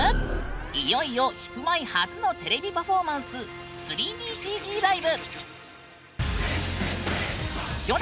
いよいよヒプマイ初のテレビパフォーマンス３ＤＣＧライブ！